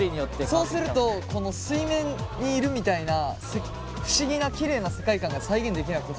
そうするとこの水面にいるみたいな不思議なきれいな世界観が再現できなくて。